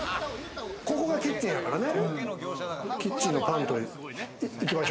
ここがキッチンやからね。